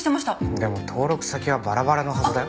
でも登録先はバラバラのはずだよ。